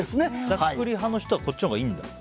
ざっくり派の人はこっちのほうがいいんだ。